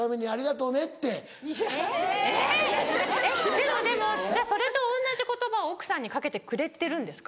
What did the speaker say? でもでもじゃあそれと同じ言葉奥さんに掛けてくれてるんですか？